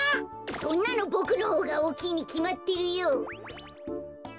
そんなのボクのほうがおおきいにきまってるよ。